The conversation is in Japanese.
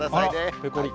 ぺこり。